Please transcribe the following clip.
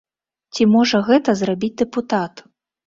Ці можа гэта зрабіць дэпутат?